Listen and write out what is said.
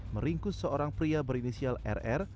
meringkus seorang pria berinisial rr